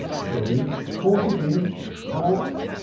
Steady port it is port.